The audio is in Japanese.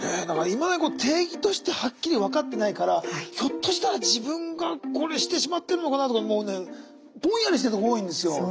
なんかいまだに定義としてはっきり分かってないからひょっとしたら自分がこれしてしまってるのかなとかもうねぼんやりしてるとこ多いんですよ。